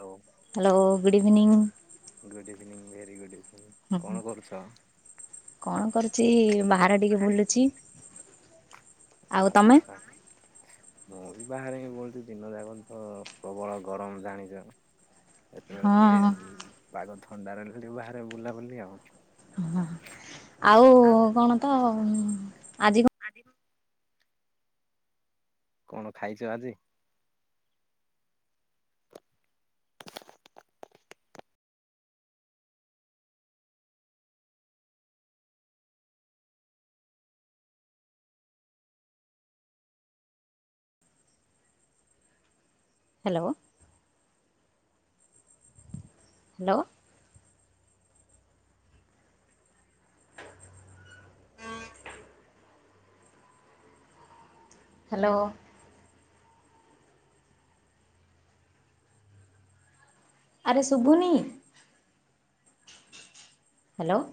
ହଉ hello good evening evening very good ଇଭି ହୁ କଣ କରୁଛି ବାହାରେ ଟିକେ ବୁଲୁଛି। ଆଉ ତମେ ଆଚ୍ଛା ମୁଁ ବି ବାହାରେ ହିଁ ବୁଲୁଚି ଦିନ ଯାକ ତ ପ୍ରବଳ ଗରମ ଜାଣିଚ ଏତବେଳକୁ ଟିକେ ହଁ ଏ ପାଗ ଥଣ୍ଡା ରହିଲେ ତ ଟିକେ ବାହାରେ ବୁଲାବୁଲି ଆଉ। ଆଉ କଣ ତ ହୁଁ ଆଜି କ କଣ ଖାଇଛ ଆଜି? ହ୍ୟାଲୋ ହ୍ୟାଲୋ ହ୍ୟାଲୋ ଆରେ ଶୁଭୁନି ହ୍ୟାଲୋ